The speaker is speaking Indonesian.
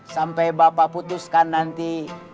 sampai bapak putuskan nanti